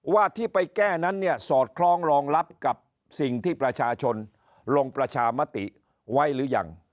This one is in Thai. ว่าที่ไปแก้นั้นเนี่ยสอดคล้องรองรับกับสิ่งที่ประชาชนลงประชามติไว้หรือยัง